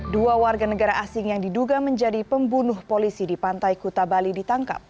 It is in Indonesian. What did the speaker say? dua warga negara asing yang diduga menjadi pembunuh polisi di pantai kuta bali ditangkap